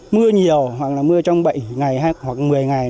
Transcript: mưa nhiều hoặc là mưa trong bảy ngày hoặc một mươi ngày